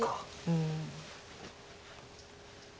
うん。